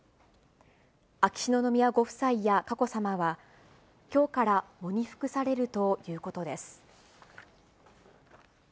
秋篠宮ご夫妻や佳子さまは、きょうから喪に服されるということです。